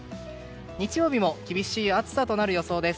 日曜日も厳しい暑さとなる予想です。